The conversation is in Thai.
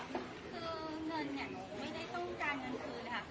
คือเงินเนี่ยหนูไม่ได้ต้องการเงินคืนเลยค่ะ